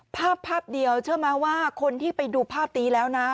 ภาพภาพเดียวเชื่อไหมว่าคนที่ไปดูภาพนี้แล้วนะ